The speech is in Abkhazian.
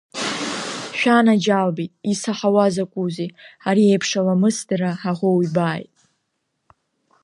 Шәанаџьалбеит, исаҳауа закәызеи, ари еиԥш аламысдара ҳаӷоу ибааит!